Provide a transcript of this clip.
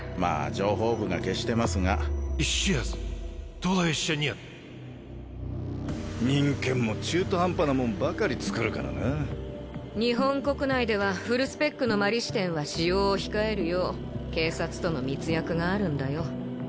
情報部が消してますが忍研も中途半端なもんばかり作るからな日本国内ではフルスペックの摩利支天は使用を控えるよう警察との密約があるんだよ